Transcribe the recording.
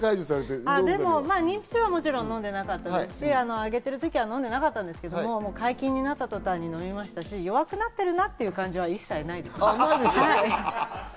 まぁ、でも妊婦中は飲んでなかったですし、母乳をあげてる時は飲んでなかったですけど、解禁になった途端、飲みましたし、弱くなってるという感じは一切ないです。